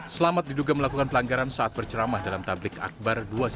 selamat diduga melakukan pelanggaran saat berceramah dalam tablik akbar